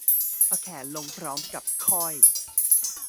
เอาแขนลงพร้อมกับค่อย